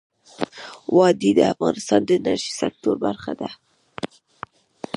وادي د افغانستان د انرژۍ سکتور برخه ده.